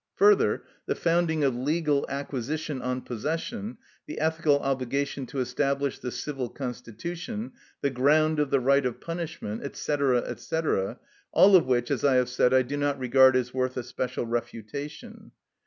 Further, the founding of legal acquisition on possession; the ethical obligation to establish the civil constitution; the ground of the right of punishment, &c., &c., all of which, as I have said, I do not regard as worth a special refutation.